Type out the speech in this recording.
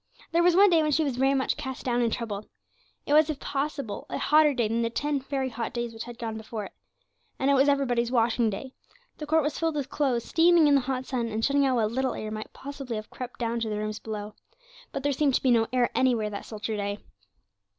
There was one day when she was very much cast down and troubled. It was, if possible, a hotter day than the ten very hot days which had gone before it. And it was everybody's washing day. The court was filled with clothes, steaming in the hot sun, and shutting out what little air might possibly have crept down to the rooms below. But there seemed to be no air anywhere that sultry day.